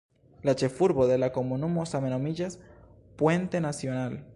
La ĉefurbo de la komunumo same nomiĝas "Puente Nacional".